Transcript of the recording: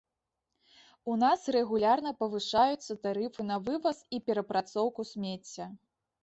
У нас рэгулярна павышаюцца тарыфы на вываз і перапрацоўку смецця.